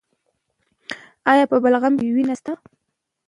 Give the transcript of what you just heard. ایا په بلغم کې وینه شته؟